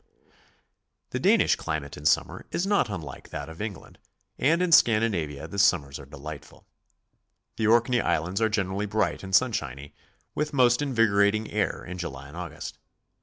The Danish climate m summer is not unlike that' of England, and in Scandinavia the summers are delightful. The Orkney Islands are generally bright and sunshiny, with most invigorating air in July and August.